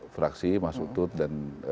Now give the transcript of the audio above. fraksi mas utut dan